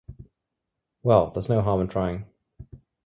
Well, there's no harm in trying.